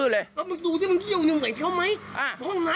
แล้วมึงดูสิมันเยี่ยมอย่างเท่าไหม